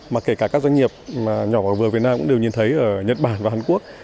mà kể cả các doanh nghiệp nhỏ và vừa việt nam cũng đều nhìn thấy ở nhật bản và hàn quốc